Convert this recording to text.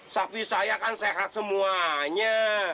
sapi saya kan sehat semuanya